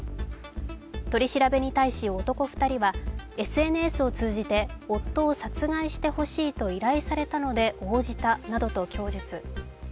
取り調べに対し男２人はＳＮＳを通じて夫を殺害してほしいと依頼されたので応じたなどと供述。